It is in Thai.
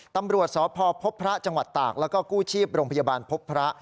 ตำรวจสพพบพระจังหวัดตากแล้วก็กู้ชีพโรงพยาบาลพบพระ